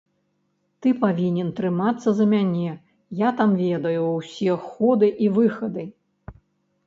Ты павінен трымацца за мяне, я там ведаю ўсе ходы і выхады.